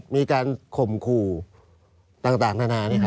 มีการข่มขู่ต่างนานา